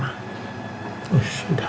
aku pikirkan lah